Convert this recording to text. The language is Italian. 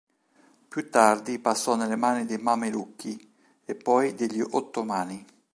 Più tardi passò nelle mani dei Mamelucchi e poi degli Ottomani.